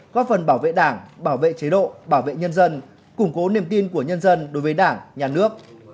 góp phần bảo vệ đảng bảo vệ chế độ bảo vệ nhân dân củng cố niềm tin của nhân dân đối với đảng nhà nước